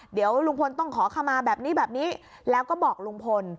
เดี๋ยวลุงพลต้องขอขมาแบบนี้แบบนี้แล้วก็บอกลุงพล